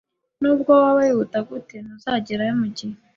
Nubwo waba wihuta gute, ntuzagerayo mugihe.